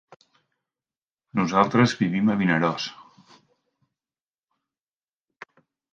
Nosaltres vivim a Vinaròs.